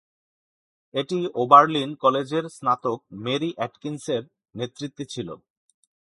এটি ওবার্লিন কলেজের স্নাতক মেরি অ্যাটকিনসের নেতৃত্বে ছিল।